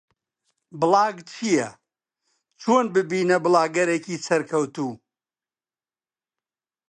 بڵاگ چییە؟ چۆن ببینە بڵاگەرێکی سەرکەوتوو؟